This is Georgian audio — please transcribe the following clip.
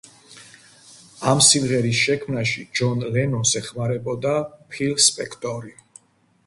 ამ სიმღერის შექმნაში ჯონ ლენონს ეხმარებოდა ფილ სპექტორი.